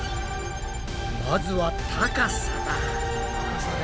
まずは高さだ。